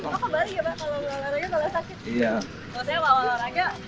kalau saya mau olahraga